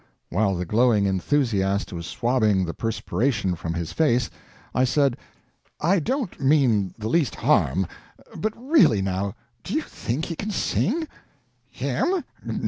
While the glowing enthusiast was swabbing the perspiration from his face, I said: "I don't mean the least harm, but really, now, do you think he can sing?" "Him?